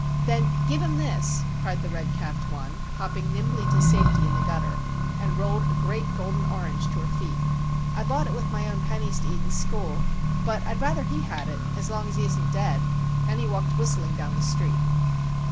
"Then give him this," cried the red capped one, hopping nimbly to safety in the gutter; and rolled a great golden orange to her feet. "I bought it with my own pennies to eat in school; but I'd rather he had it,—as long as he isn't dead." And he walked whistling down the street.